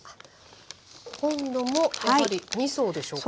今度もやはり２層でしょうか。